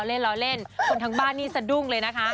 เล่นล้อเล่นคนทั้งบ้านนี่สะดุ้งเลยนะคะ